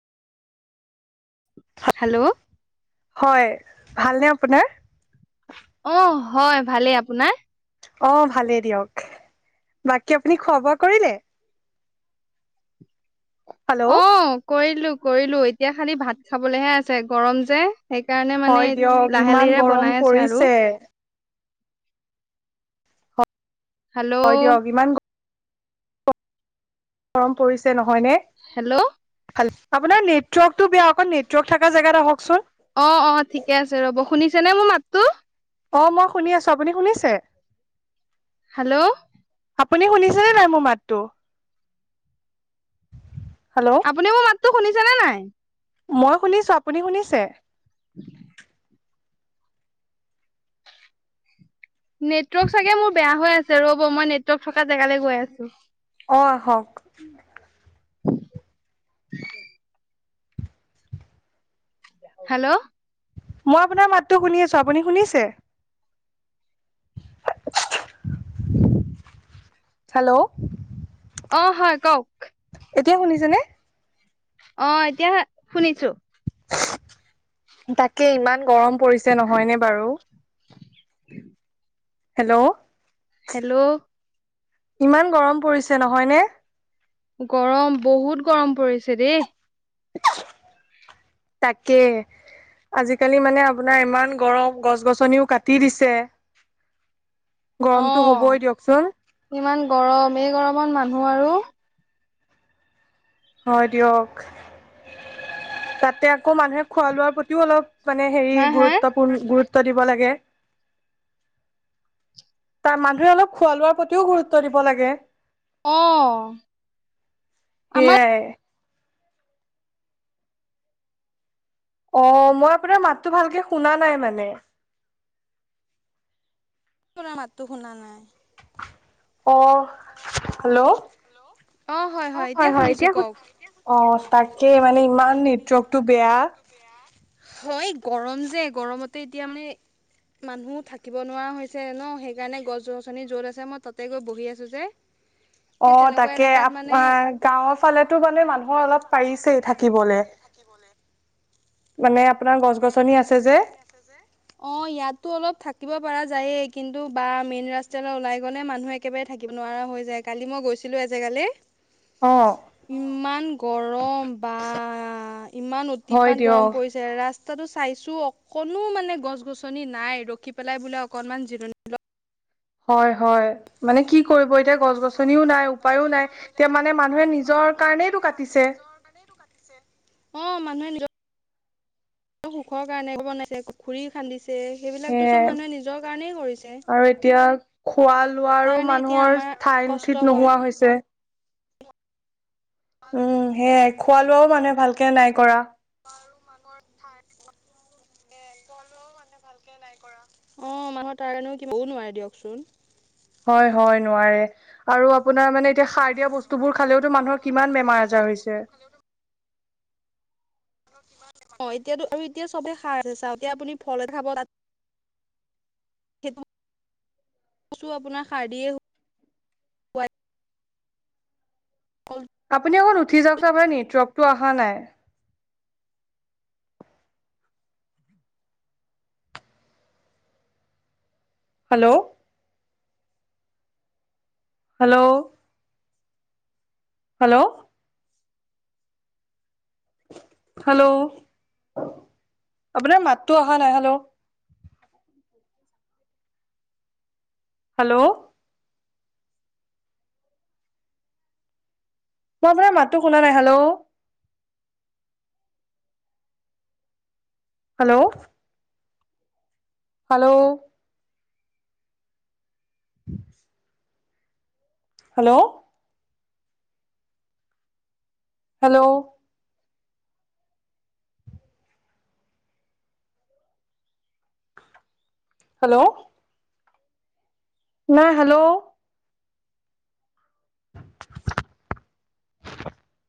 Hello, হয় ভালনে আপোনাৰ? অ হয় ভালেই আপোনাৰ অ ভালেই দিয়ক বাকী আপুনি খোৱা বোৱা কৰিলে? হেল্ল' অ কৰিলো কৰিলো এতিয়া খালি ভাত খাবলৈহে আছে গৰম যে সেইকাৰণে হয় মানে দিয়ক লাহে ইমান লাহেৰে গৰম বনাই আছে আৰু। পৰিছে হেল্ল' হয় দিয়ক ইমান গৰম পৰিছে নহয় নে হেল্ল', ভাল আপোনাৰ নেটৱৰ্কটো বেয়া অকল নেটৱৰ্ক থকা জেগাত আহকচোন। অ অ ঠিকে আছে ৰ'ব শুনিছে নে মোৰ মাত, অ মই শুনি আছো। আপুনি শুনিছে? হেল্ল' আপুনি শুনিছেনে নাই মোৰ মাতটো? হেল্ল' আপুনি মোৰ মাতটো শুনিছে নে নাই? মই শুনিছো আপুনি শুনিছে [inaudible] নেটৱৰ্ক চাগে মোৰ বেয়া হৈ আছে ৰ'ব! মই নেটৱৰ্ক থকা জেগালৈ আছো। অ আহক। [inaudible] হেল্ল'? মই আপোনাৰ মাতটো শুনি আছো, আপুনি শুনিছে? হেল্ল'? অ হয় কওক? এতিয়া শুনিছেনে? অ এতিয়া শুনিছো। তাকে ইমান গৰম পৰিছে নহয়নে বাৰু? উম [inaudible] হেল্ল'! হেল্ল'! ইমান গৰম পৰিছে নহয়নে? গৰম বহুত গৰম পৰিছে দেই। তাকে। আজিকালি মানে আপোনাৰ ইমান গৰম গছ- গছনিও কাটি দিছে। [inaudible] অ, গৰমটো হ'বই দিয়কচোন ইমান গৰম এই গৰমত মানুহ আৰু হয় দিয়ক, তাতে আকৌ মানুহে খোৱা- লোৱাৰ প্ৰতিও অলপ মানে হেৰি হা হা? গুৰুত্বপূৰ্ণ গুৰুত্ব দিব লাগে? তাৰ মানুহে অলপ খোৱা লোৱাৰ প্ৰতিও গুৰুত্ব দিব লাগে। অ আমাৰ সেয়াই। অ মই আপোনাৰ মাতটো ভালকে শুনা নাই মানে? তোমাৰ মাততো শুনা নাই। অ হেল্ল'। অ হয় হয় এতিয়া অ তাক। কে মানে ইমান নেটকটো বেয়া। হয় গৰম যে গৰমতে এতিয়া মানে। মানুহ থাকিব নোৱাৰা হৈছে ন সেইকাৰণে গছ- গছনি য'ত আছে মই তাতে গৈ বহি আছো যে। অ সেই তেনেকুৱা তাকে আ এলেকাত মানে গাঁৱৰ ফালেতো মানে মানুহৰ অলপ পাৰিছেই থাকিবলে। [unintelligible] মানে আপোনাৰ গছ মানে গছনি আপোনাৰ আছে গছ যে -গছনি আছে যে, অ ইয়াতো অলপ থাকিব পাৰা যায়ে। কিন্তু বা মেইন ৰাস্তালৈ ওলাই গ'লে মানুহ একেবাৰে থাকিব নোৱাৰা হৈ যায়, কালি মই গৈছিলো এজেগালে অ। ইমান গৰম বা ইমান হয় অতিপাত গৰম দিয়ক পৰিছে ৰাস তাটো চাইছো অকণো মানে গছ -গছনি নাই ৰখি পেলাই বোলে অকনমান জিৰণি ল হয় হয় মানে কি কৰিব এতিয়া গছ -গছনিও নাই, উপায়ো নাই, এতিয়া মানে মানুহে নিজৰ কাৰণেইটো কাটিছে। টো কাটিছে অ মানুহে নিজ সুখৰ কাৰণে ঘৰ বনাইছে, পুখুৰী খান্দিছে। তে, সেইবিলাকতো চব সেয়াই মানুহে নিজৰ কাৰণেই কৰিছে। আৰু এতিয়া খোৱা -লোৱাৰো তাৰ কাৰণে এতিয়া মানুহৰ আমাৰ ঠাই- কষ্ট ঠিত হয় নোহোৱা হৈছে। উম সেয়াই খোৱা- লোৱাও মানুহে ভালকে নাই কৰা। ডাঙৰ ঠাই [inaudible] গলৌ মানে ভালকে নাই কৰা, অ মাহৰ তাৰ কাৰণে কও নোৱাৰে দিয়কচোন। হয় হয় নোৱাৰে আৰু আ পোনাৰ মানে এতিয়া সাৰ দিয়া বস্তুবোৰ খালেওতো মানুহৰ কিমান বেমাৰ -আজাৰ হৈছে। [inaudible] অ এতিয়াতো আৰু এতিয়া চবে সাৰ আছে চাও এতিয়া আপুনি ফল খাব তাত। সেটো ক আপোনাৰ হাৰদিয়ে। আপুনি অকণ উঠি যাওক আপোনাৰ নেট্ৰকটো অহা নাই। হেল্ল'। হেল্ল'। হেল্ল'। হেল্ল' আপোনাৰ মাতটো অহা নাই হেল্ল'। হেল্ল'। মই আপোনাৰ মাতো শুনা নাই hello. Hello. Hello. [unintelligible] Hello. Hello. Hello. নাই হেল্ল'। [unintelligible]